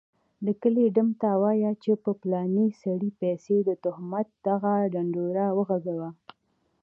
دکلي ډم ته وايي چي په پلاني سړي پسي دتهمت دغه ډنډوره وغږوه